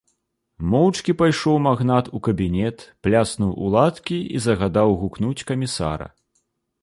Моўчкі пайшоў магнат у кабінет, пляснуў у ладкі і загадаў гукнуць камісара.